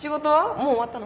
もう終わったの？